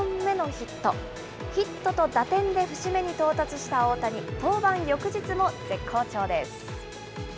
ヒットと打点で節目に到達した大谷、登板翌日も絶好調です。